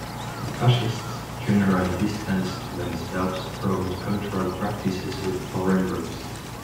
The fascists generally distanced themselves from cultural practices with foreign roots.